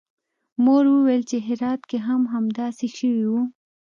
مور ویل چې هرات کې هم همداسې شوي وو